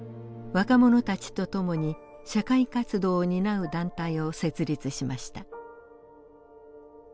若者たちと共に社会活動を担う団体を設立しました。